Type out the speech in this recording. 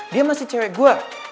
dia masih cewek gue